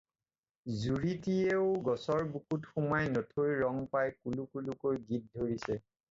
জুৰিটীয়েও গছৰ বুকুত সোমাই নথৈ ৰং পাই কুল কুল কৈ গীত ধৰিছে।